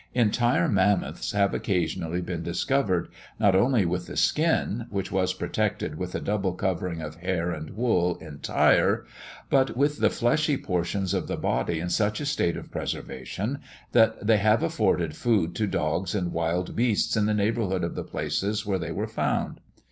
Entire mammoths have occasionally been discovered, not only with the skin (which was protected with a double covering of hair and wool) entire, but with the fleshy portions of the body in such a state of preservation that they have afforded food to dogs and wild beasts in the neighbourhood of the places where they were found.